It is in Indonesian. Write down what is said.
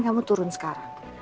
kamu turun sekarang